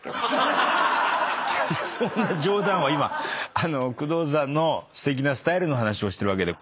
そんな冗談は今工藤さんのすてきなスタイルの話をしてるわけで。